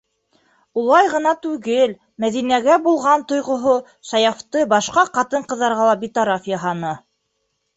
Улай ғына түгел, Мәҙинәгә булған тойғоһо Саяфты башҡа ҡатын-ҡыҙҙарға ла битараф яһаны.